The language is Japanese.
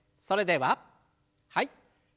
それでははい。